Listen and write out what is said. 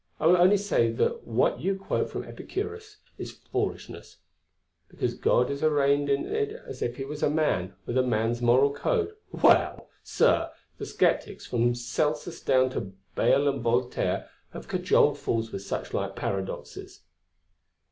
I will only say that what you quote from Epicurus is foolishness; because God is arraigned in it as if he was a man, with a man's moral code. Well! sir, the sceptics, from Celsus down to Bayle and Voltaire, have cajoled fools with such like paradoxes."